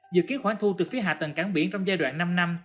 dự kiến khoản thu từ phía hạ tầng cảng biển trong giai đoạn năm năm